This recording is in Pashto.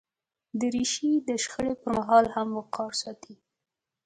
دریشي د شخړې پر مهال هم وقار ساتي.